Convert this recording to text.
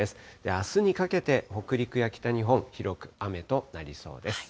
あすにかけて、北陸や北日本、広く雨となりそうです。